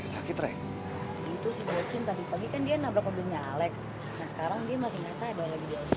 nah sekarang dia masih ngerasa ada lagi di asur